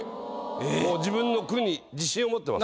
自分の句に自信を持ってます。